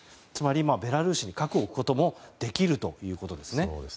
つまり、ベラルーシに核を置くこともできるということですね。